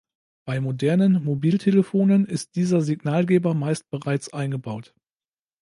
Bei modernen Mobiltelefonen ist dieser Signalgeber meist bereits eingebaut.